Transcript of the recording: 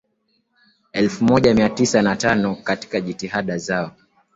Elfumoja miatisa na tano Katika jitihada zao